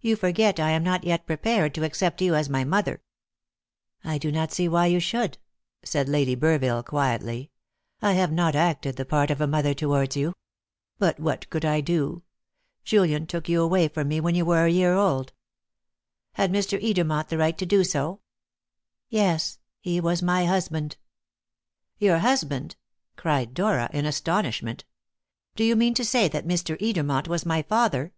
"You forget I am not yet prepared to accept you as my mother." "I do not see why you should," said Lady Burville quietly. "I have not acted the part of a mother towards you. But what could I do? Julian took you away from me when you were a year old." "Had Mr. Edermont the right to do so?" "Yes. He was my husband!" "Your husband!" cried Dora in astonishment. "Do you mean to say that Mr. Edermont was my father?"